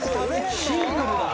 シンプルだ。